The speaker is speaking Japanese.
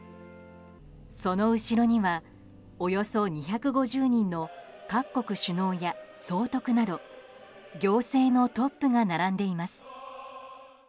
その後ろには、およそ２５０人の各国首脳や総督など行政のトップが並んでいます。